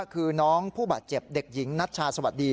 คือน้องผู้บาดเจ็บเด็กหญิงนัชชาสวัสดี